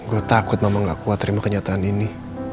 gue takut mama gak kuat terima kenyataan ini